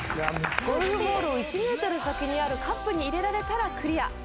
ゴルフボールを１メートル先にあるカップに入れられたらクリア。